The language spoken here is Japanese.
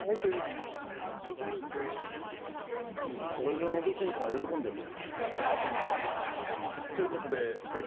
俺ののどちんこが喜んでるよ。という事で警部